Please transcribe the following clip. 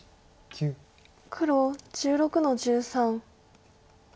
黒１６の十三。